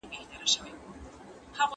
ایا تکړه پلورونکي چارمغز پروسس کوي؟